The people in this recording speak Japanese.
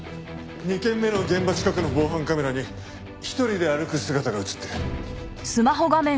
２件目の現場近くの防犯カメラに１人で歩く姿が映ってる。